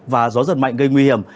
và gió giật mạnh gây nguy hiểm